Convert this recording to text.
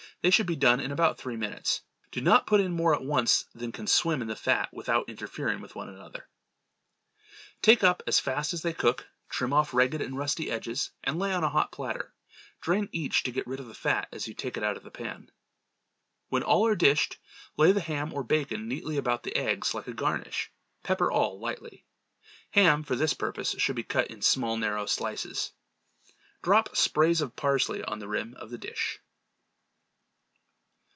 They should be done in about three minutes. Do not put in more at once than can swim in the fat without interfering with one another. Take up as fast as they cook, trim off ragged and rusty edges and lay on a hot platter. Drain each to get rid of the fat, as you take it out of the pan. When all are dished, lay the ham or bacon neatly about the eggs like a garnish. Pepper all lightly. Ham for this purpose should be cut in small narrow slices. Drop sprays of parsley on the rim of the dish.